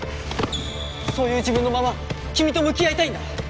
そういう自分のまま君と向き合いたいんだ。